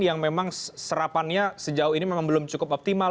yang memang serapannya sejauh ini memang belum cukup optimal